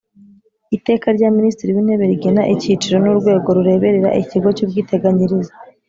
Iteka rya minisitiri w intebe rigena icyiciro n urwego rureberera ikigo cy ubwiteganyirize